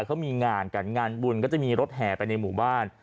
เขามีงานกันงานบุญก็จะมีรถแห่ไปในหมู่บ้าน